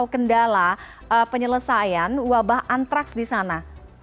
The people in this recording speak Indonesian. kendala penyelesaian wabah antraks di sana